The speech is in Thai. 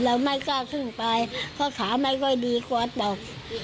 เราไม่กล้าขึ้นไปเพราะขาไม่ค่อยดีกวัดหรอก